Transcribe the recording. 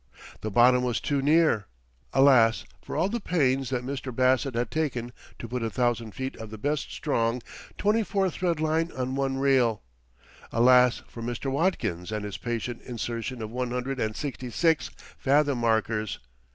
The bottom was too near! Alas for all the pains that Mr. Bassett had taken to put a thousand feet of the best strong 24 thread line on one reel! Alas for Mr. Watkins and his patient insertion of one hundred and sixty six "fathom markers"!